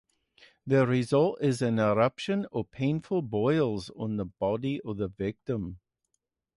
The result is an eruption of painful boils on the body of the victim.